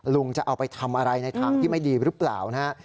ลุงจะเอาไปทำอะไรในทางที่ไม่ดีหรือเปล่านะฮะ